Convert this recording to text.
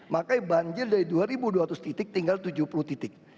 makanya banjir dari dua dua ratus titik tinggal tujuh puluh titik